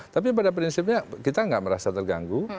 tapi pada prinsipnya kita nggak merasa terganggu